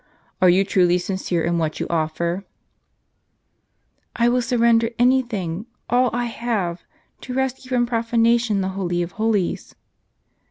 Are you truly sincere in what you offer ?"" I will surrender any thing, all I have, to rescue from profanation the Holy of Holies."